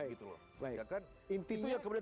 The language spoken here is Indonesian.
itu yang kemudian